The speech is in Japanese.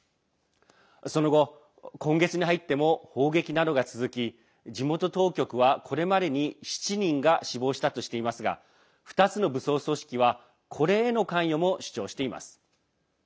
その後、今月に入っても砲撃などが続き地元当局は、これまでに７人が死亡したとしていますが２つの武装組織はこれへの関与も主張しています。